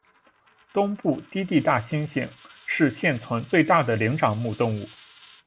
东部低地大猩猩是现存最大的灵长目动物。